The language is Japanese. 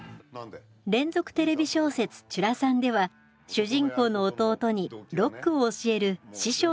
連続テレビ小説「ちゅらさん」では主人公の弟にロックを教える師匠の役を好演しました。